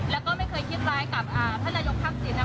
แล้วก็ไม่เคยคิดร้ายกับภรรยงภาคสินนะคะ